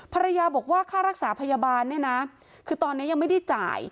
ภรรยาบอกว่าค่ารักษาพยาบาลเนี่ยนะคือตอนนี้ยังไม่ได้จ่าย